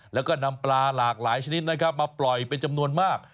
แล้วก็นำปลาหลากหลายชนิดนะครับมาปล่อยเป็นจำนวนมาก